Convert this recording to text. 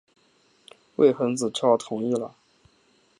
魏桓子只好同意了。